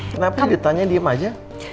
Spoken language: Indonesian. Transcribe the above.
kenapa ditanya diem aja